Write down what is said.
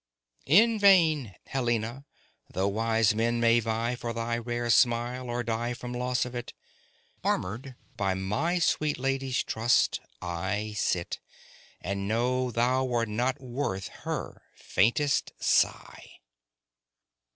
In vain, Helena! though wise men may vie For thy rare smile, or die from loss of it, Armoured by my sweet lady's trust, I sit, And know thou are not worth her faintest sigh.